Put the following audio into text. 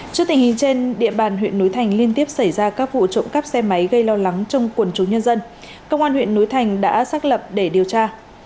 trước tình hình trên địa bàn huyện núi thành liên tiếp xảy ra các vụ trộm cắp xe máy gây lo lắng trong quần chúng nhân dân công an huyện núi thành đã xác lập để điều tra